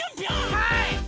はい！